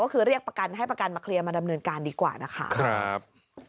ก็คือเรียกประกันให้ประกันมาเคลียร์มาดำเนินการดีกว่านะคะ